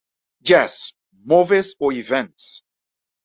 Jazz", "Moves" o "Events".